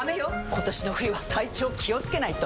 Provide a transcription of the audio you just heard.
今年の冬は体調気をつけないと！